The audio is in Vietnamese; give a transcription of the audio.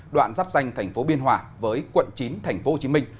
đoạn dắp danh thành phố biên hòa với quận chín thành phố hồ chí minh